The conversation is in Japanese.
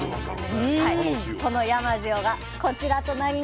その山塩がこちらとなります。